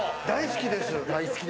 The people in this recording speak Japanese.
大好きです。